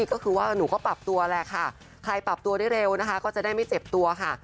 ก็คือว่าหนูก็ปรับตัวแหละค่ะใครปรับตัวได้เร็วนะคะก็จะได้ไม่เจ็บตัวค่ะ